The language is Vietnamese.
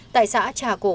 tại xã trà cổ